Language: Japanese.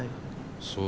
そう。